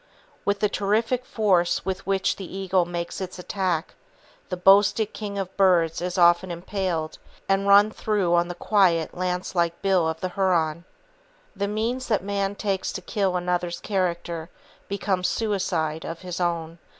With the terrific force with which the eagle makes its attack, the boasted king of birds is often impaled and run through on the quiet, lance like bill of the heron. The means that man takes to kill another's character becomes suicide of his own.